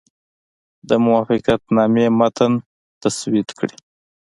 د موافقتنامې متن تسوید کړي.